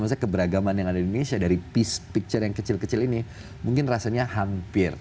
maksudnya keberagaman yang ada di indonesia dari picture yang kecil kecil ini mungkin rasanya hampir